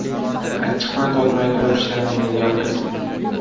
• Achchiqni totmay turib shirinni yeyolmaysan.